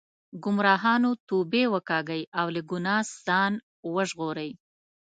ګمراهانو توبې وکاږئ او له ګناه ځان وژغورئ.